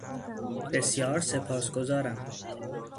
بسیار سپاسگزارم.